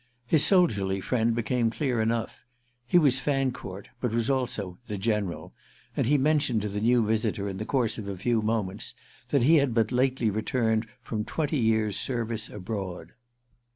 His soldierly friend became clear enough: he was "Fancourt," but was also "the General"; and he mentioned to the new visitor in the course of a few moments that he had but lately returned from twenty years service abroad.